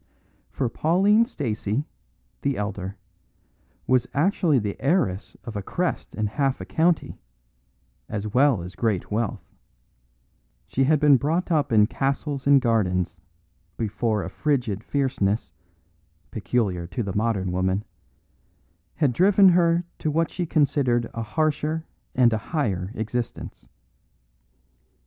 For Pauline Stacey, the elder, was actually the heiress of a crest and half a county, as well as great wealth; she had been brought up in castles and gardens, before a frigid fierceness (peculiar to the modern woman) had driven her to what she considered a harsher and a higher existence.